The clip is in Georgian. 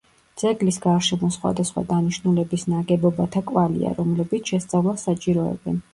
ძეგლის გარშემო სხვადასხვა დანიშნულების ნაგებობათა კვალია, რომლებიც შესწავლას საჭიროებენ.